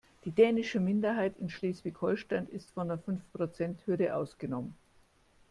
Die dänische Minderheit in Schleswig-Holstein ist von der Fünfprozenthürde ausgenommen.